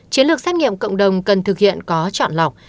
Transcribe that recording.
chiến lược xét nghiệm cộng đồng cần thực hiện có chọn lọc